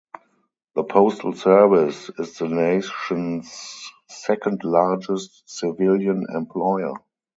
The Postal Service is the nation's second-largest civilian employer.